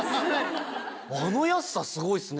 あの安さすごいっすね。